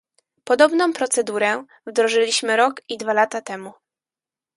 Podobną procedurę wdrożyliśmy rok i dwa lata temu